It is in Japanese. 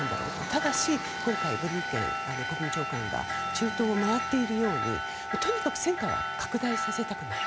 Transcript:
ただし今回、ブリンケン国務長官が中東を回っているようにとにかく戦火を拡大させたくない。